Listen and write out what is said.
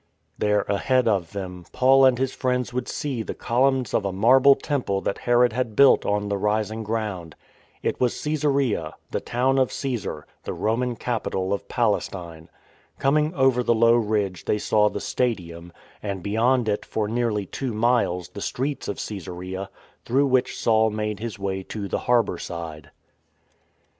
There ahead of them, Paul and his friends would see the columns of a marble temple that Herod had built on the rising ground. It was Csesarea — the town of Caesar — the Roman capital of Palestine. Coming over the low ridge they saw the stadium, and beyond it for nearly two miles the streets of Csesarea, through which Saul made his way to the harbour side.